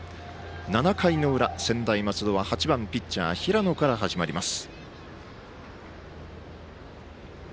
７回の裏、専大松戸は８番、ピッチャー平野から始まります。